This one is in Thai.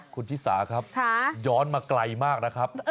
คุณชิสาครับย้อนมาไกลมากนะครับ